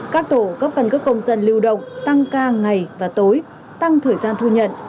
các tổ cấp căn cước công dân lưu động tăng ca ngày và tối tăng thời gian thu nhận